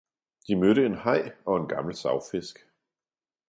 De mødte en haj og en gammel savfisk.